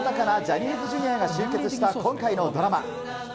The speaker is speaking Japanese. そんな個性豊かなジャニーズＪｒ．が集結した今回のドラマ。